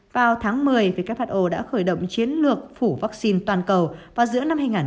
vào tháng một mươi who đã khởi động chiến lược phủ vắc xin toàn cầu vào giữa năm hai nghìn hai mươi hai